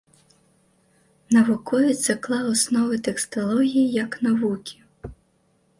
Навуковец заклаў асновы тэксталогіі як навукі.